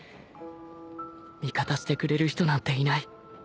味方してくれる人なんていない。